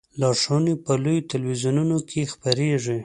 لارښوونې په لویو تلویزیونونو کې خپریږي.